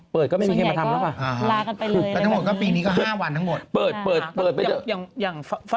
เปิดก็ไม่มีใครมาทำแล้วค่ะ